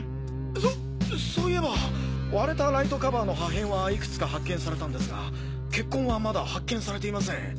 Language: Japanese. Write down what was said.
そそういえば割れたライトカバーの破片はいくつか発見されたんですが血痕はまだ発見されていません。